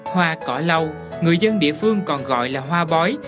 hoa cỏ lau người dân địa phương còn gọi là hoa bói